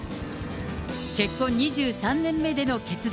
結婚２３年目での決断。